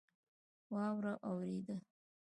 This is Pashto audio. واوره اوورېده